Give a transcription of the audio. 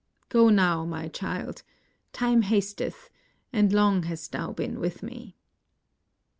Go now, my child, time hasteth, and long hast thou been with me."